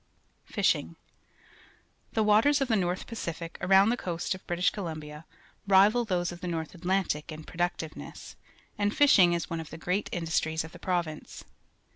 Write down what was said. Fishing. — The waters of the North Pacific around the coast of British Columbia rival those of the North Atlantic in productive ness, and fishing is one of the great indus tries of the province.